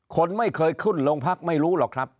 คนไม่เคยขึ้นโรงพักไม่รู้หรอกครับ